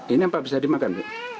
ini apa bisa dimakan